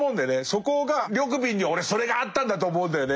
そこが緑敏には俺それがあったんだと思うんだよね。